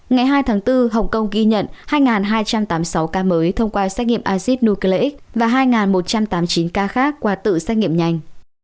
ngày hai tháng bốn hồng kông ghi nhận hai hai trăm tám mươi sáu ca mới thông qua xét nghiệm acid nucleic và hai một trăm tám mươi chín ca khác qua tự xét nghiệm nhanh